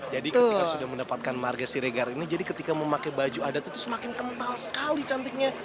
jadi ketika sudah mendapatkan marga siregar ini jadi ketika memakai baju adat itu semakin kental sekali cantiknya